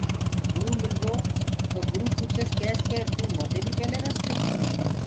گُروٚ مِلرو تو گُرو پوٚڇس ڪيس ڪي تو موندي بي پيلي رس گو۔